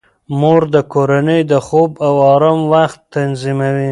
مور د کورنۍ د خوب او آرام وخت تنظیموي.